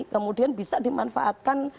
kemudian bisa dimanfaatkan